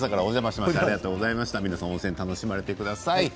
皆さん温泉を楽しんでください。